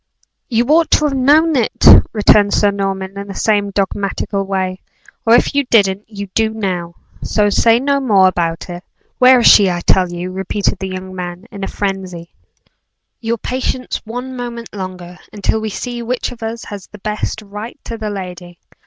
"You ought to have known it!" returned Sir Norman, in the same dogmatical way; "or if you didn't, you do now; so say no more about it. Where is she, I tell you?" repeated the young man, in a frenzy. "Your patience one moment longer, until we see which of us has the best right to the lady.